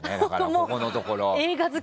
ここのところ。